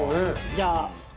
じゃあ。